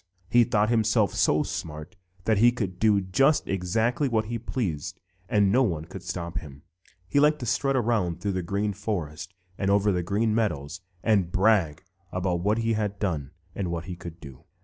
He thought himself so smart that he could do just exactly what he pleased and no one could stop him. He liked to strut around through the Green Forest and over the Green Meadows and brag about what he had done and what he could do.